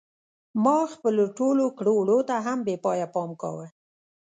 ما خپلو ټولو کړو وړو ته هم بې پایه پام کاوه.